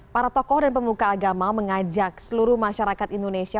para tokoh dan pemuka agama mengajak seluruh masyarakat indonesia